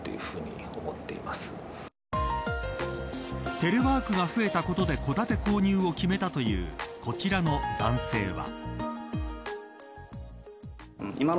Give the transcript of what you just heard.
テレワークが増えたことで戸建て購入を決めたというこちらの男性は。